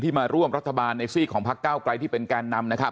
ที่มาร่วมรัฐบาลในซีกของพักก้าวกล่ายที่เป็นการนำนะครับ